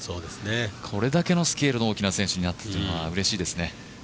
これだけのスケールの大きな選手になったというのはうれしいですね。